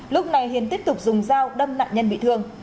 lúc này hiền tiếp tục dùng dao đâm nạn nhân bị thương